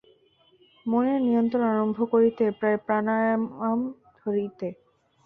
মনের নিয়ন্ত্রণ আরম্ভ করিতে হয় প্রাণায়াম হইতে।